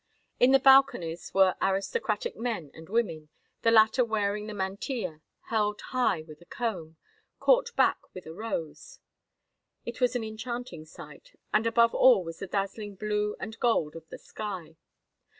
In the balconies were aristocratic men and women, the latter wearing the mantilla, held high with a comb, caught back with a rose. It was an enchanting sight; and above all was the dazzling blue and gold of the sky.